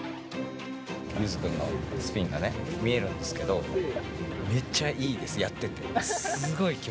ゆづ君のスピンが見えるんですけど、めっちゃいいです、やってて。